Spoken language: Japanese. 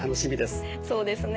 そうですね。